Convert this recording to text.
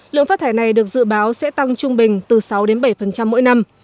lượng phát thải này được dự báo sẽ tăng trung bình từ sáu bảy mỗi năm